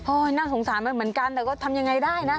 น่าสงสารมันเหมือนกันแต่ก็ทำยังไงได้นะ